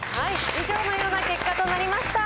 以上のような結果となりました。